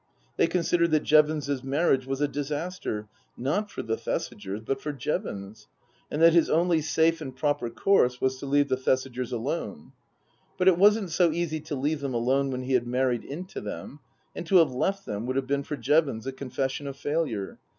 They considered that Jevons's marriage was a disaster, not for the Thesigers, but for Jevons, and that his only safe and proper course was to leave the Thesigers alone. But it wasn't so easy to leave them alone when he had married into them ; and to have left them would have been for Jevons a confession of failure.